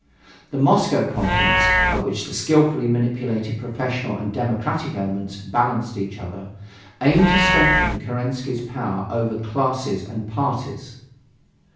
The Moscow Conference, at which the skilfully manipulated professional and democratic elements balanced each other, aimed to strengthen Kerensky's power over classes and parties.